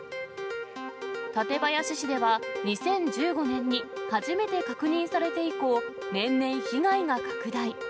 館林市では、２０１５年に初めて確認されて以降、年々被害が拡大。